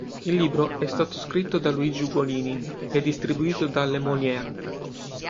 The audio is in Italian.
Il libro è stato scritto da Luigi Ugolini e distribuito da Le Monnier.